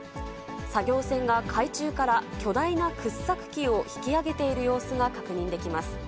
作業船が海中から巨大な掘削機を引き揚げている様子が確認できます。